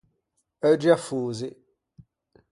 Euggi affosi.